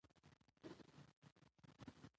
سیلابونه د افغانستان په طبیعت کې یو مهم رول لري.